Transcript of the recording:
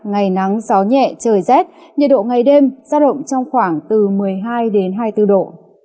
ngày nắng gió nhẹ trời rét nhiệt độ ngày đêm giao động trong khoảng từ một mươi hai đến hai mươi bốn độ